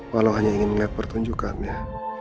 walau hanya ingin melihat pertunjukannya